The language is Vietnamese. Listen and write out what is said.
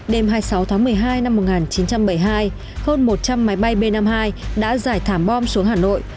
đêm hai mươi sáu tháng một mươi hai năm một nghìn chín trăm bảy mươi hai hơn một trăm linh máy bay b năm mươi hai đã giải thảm bom xuống hà nội